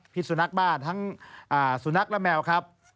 สุนัขบ้านทั้งสุนัขและแมวครับ